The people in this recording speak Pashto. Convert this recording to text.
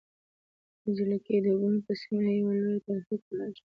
د جلگې د کونج په سیمه کې یوه لویه تاریخې کلا شته